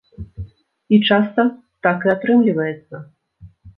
І часта так і атрымліваецца.